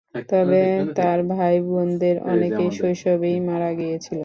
তবে তার ভাইবোনদের অনেকেই শৈশবেই মারা গিয়েছিল।